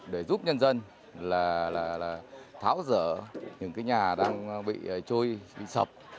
để giúp nhân dân là tháo rỡ những cái nhà đang bị trôi bị sập